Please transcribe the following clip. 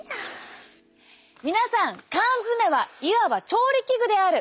皆さん缶詰はいわば調理器具である。